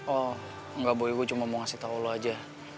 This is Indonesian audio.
oh nggak boy gue cuma mau ngasih tahu lo aja